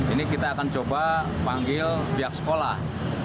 ini kita akan coba panggil pihak sekolah